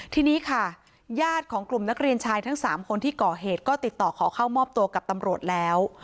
ทีนี้ค่ะญาติของกลุ่มนักเรียนชายทั้ง๓คนที่ก่อเหตุก็ติดต่อขอเข้ามอบตัวกับตำรวจแล้ว